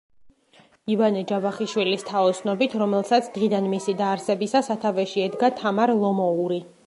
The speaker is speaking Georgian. ივანე ჯავახიშვილის თაოსნობით, რომელსაც დღიდან მისი დაარსებისა სათავეში ედგა თამარ ლომოური.